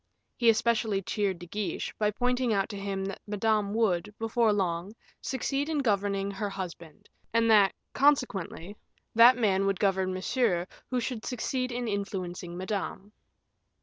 He especially cheered De Guiche, by pointing out to him that Madame would, before long, succeed in governing her husband, and that, consequently, that man would govern Monsieur who should succeed in influencing Madame.